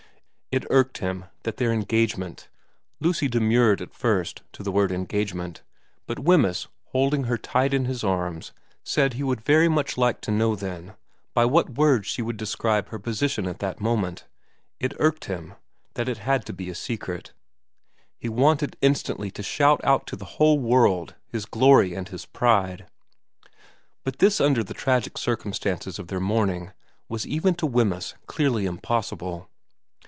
It irked him that their engagement Lucy demurred at first to the word engagement, but Wemyss, holding her tight in his arms, said he would very much like to vi VERA 63 know, then, by what word she would describe her position at that moment it irked him that it had to be a secret. He wanted instantly to shout out to the whole world his glory and his pride. But this under the tragic circumstances of their mourning was even to Wemyss clearly impossible.